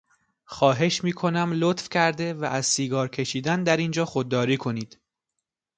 خواهش میکنم لطف کرده و از سیگار کشیدن در اینجا خودداری کنید.